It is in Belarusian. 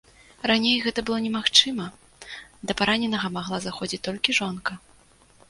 Раней гэта было немагчыма, да параненага магла заходзіць толькі жонка.